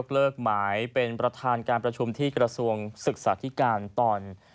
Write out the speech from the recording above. เลือกหมายเป็นประธานการประชุมที่กระทรวงศึกษาธิการตอน